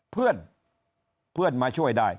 เพื่อนมาช่วยได้